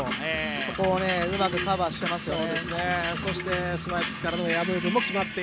そこをうまくカバーしてますよね。